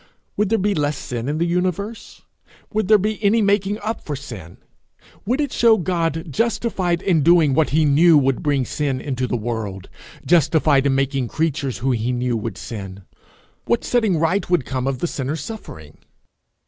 Would there be less sin in the universe? Would there be any making up for sin? Would it show God justified in doing what he knew would bring sin into the world, justified in making creatures who he knew would sin? What setting right would come of the sinner's suffering?